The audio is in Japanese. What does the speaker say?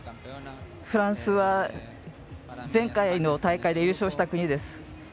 フランスは前回の大会で優勝した国です。